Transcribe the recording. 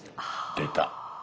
出た。